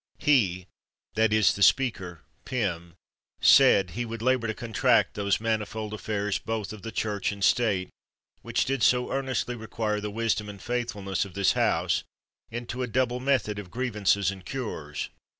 He [that is, the speaker, Pym] said he would labor to contract those manifold affairs both of the Church and State, which did so earnestly require the wisdom and faithfulness of this house, into a double method of grievances and cures.